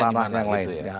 ranah yang lain